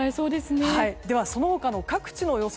その他の各地の予想